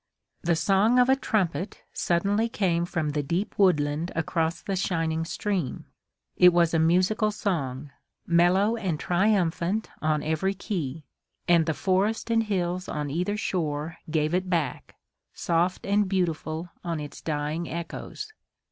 The song of a trumpet suddenly came from the deep woodland across the shining stream. It was a musical song, mellow and triumphant on every key, and the forest and hills on either shore gave it back, soft and beautiful on its dying echoes.